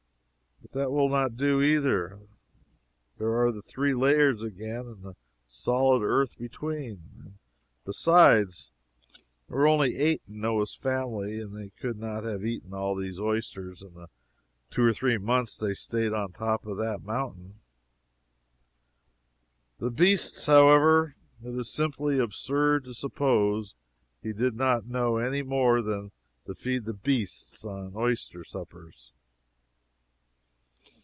But that will not do, either. There are the three layers again and the solid earth between and, besides, there were only eight in Noah's family, and they could not have eaten all these oysters in the two or three months they staid on top of that mountain. The beasts however, it is simply absurd to suppose he did not know any more than to feed the beasts on oyster suppers.